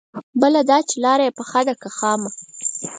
بله دا چې لاره يې پخه ده که خامه؟